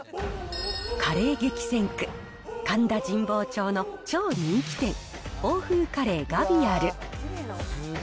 カレー激戦区、神田神保町の超人気店、欧風カレーガヴィアル。